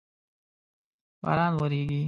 باران وریږی